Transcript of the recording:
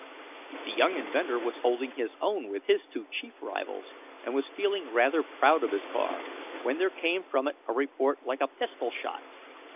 The young inventor was holding his own with his two chief rivals, and was feeling rather proud of his car, when there came from it a report like a pistol shot.